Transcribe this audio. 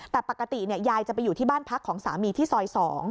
แต่ปกติยายจะไปอยู่ที่บ้านพักของสามีที่ซอย๒